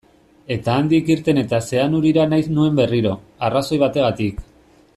Eta handik irten eta Zeanurira nahi nuen berriro, arrazoi bategatik.